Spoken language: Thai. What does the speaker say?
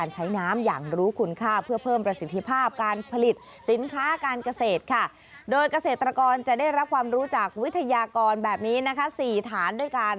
โดยเกษตรกรจะได้รับความรู้จากวิทยากรแบบนี้นะคะ๔ฐานด้วยกัน